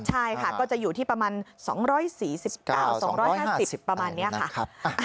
ใช่ค่ะก็จะอยู่ที่ประมาณ๒๔๙๒๕๐ประมาณนี้ค่ะ